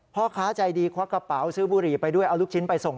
พ่อค้าใจดีควักกระเป๋าซื้อบุหรี่ไปด้วยเอาลูกชิ้นไปส่ง